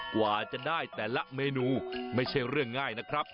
กว่าจะได้แต่ละเมนูไม่ใช่เรื่องง่ายนะครับ